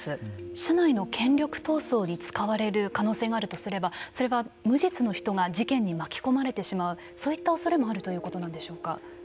社内の権力闘争に使われる可能性があるとすればそれは無実の人が事件に巻き込まれてしまうそういったおそれもあるということなんでしょうか。